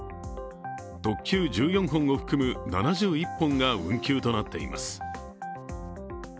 特急１４本を含む７１本が運休となっています。